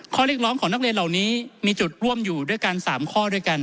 ข้อเรียกร้องของนักเรียนเหล่านี้มีจุดร่วมอยู่ด้วยกัน๓ข้อด้วยกัน